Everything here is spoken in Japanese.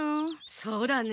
そうだね。